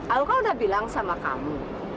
aku udah bilang sama kamu